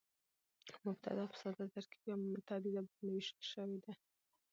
مبتداء په ساده، ترکیبي او متعدده باندي وېشل سوې ده.